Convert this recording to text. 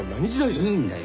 いいんだよ